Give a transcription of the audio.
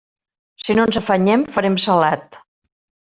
Si no ens afanyem, farem salat.